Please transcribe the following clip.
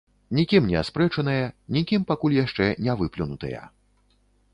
Нікім не аспрэчаныя, нікім пакуль яшчэ не выплюнутыя.